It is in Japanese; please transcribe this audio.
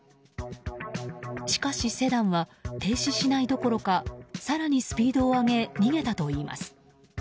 しかし、セダンは停止しないどころか更にスピードを上げ逃げたといいます。